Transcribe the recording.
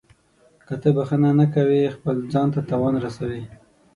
• که ته بښنه نه کوې، خپل ځان ته تاوان رسوې.